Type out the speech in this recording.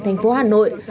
thành phố hà nội